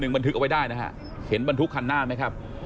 นึงมันทึกออกได้นะครับเห็นบรรทุกคันหน้ามั้ยครับ